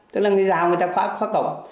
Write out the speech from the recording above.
tức là người giàu người ta khóa cổng